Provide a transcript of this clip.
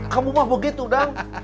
kamu mah begitu dang